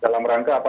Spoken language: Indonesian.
dalam rangka apa